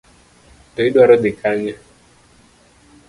To idwaro dhi kanye?